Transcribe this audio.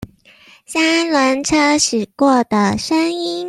三輪車駛過的聲音